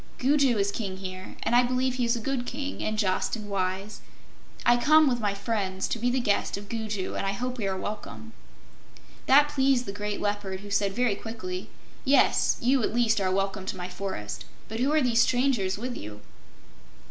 Gugu is King here, and I believe he is a good King and just and wise. I come, with my friends, to be the guest of Gugu, and I hope we are welcome." That pleased the great Leopard, who said very quickly: "Yes; you, at least, are welcome to my forest. But who are these strangers with you?"